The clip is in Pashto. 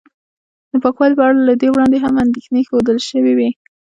د پاکوالي په اړه له دې وړاندې هم اندېښنې ښودل شوې وې